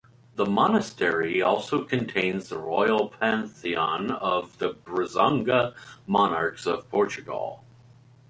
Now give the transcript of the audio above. The monastery also contains the royal pantheon of the Braganza monarchs of Portugal.